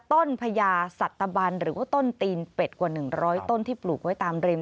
พญาสัตบันหรือว่าต้นตีนเป็ดกว่า๑๐๐ต้นที่ปลูกไว้ตามริม